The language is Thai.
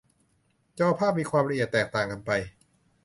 จอภาพมีความละเอียดแตกต่างกันไป